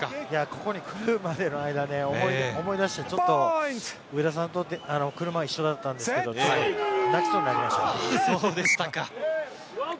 ここに来るまでの間、思い出して、上田さんと車が一緒だったんですけど、泣きそうになりました。